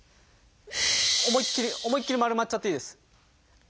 思いっきり思いっきり丸まっちゃっていいです。